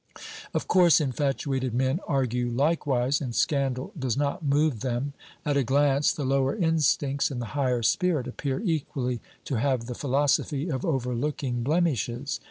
Of course, infatuated men argue likewise, and scandal does not move them. At a glance, the lower instincts and the higher spirit appear equally to have the philosophy of overlooking blemishes.